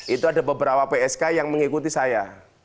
itu ada beberapa psk yang mengikuti saya